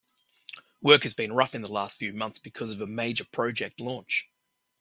Work has been rough in the last few months because of a major project launch.